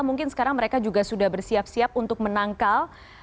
mungkin sekarang mereka juga sudah bersiap siap untuk menangkal